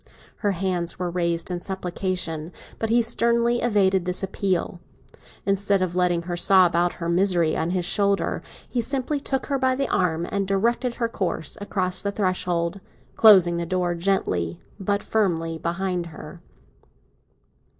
Her hands were raised in supplication, but he sternly evaded this appeal. Instead of letting her sob out her misery on his shoulder, he simply took her by the arm and directed her course across the threshold, closing the door gently but firmly behind her.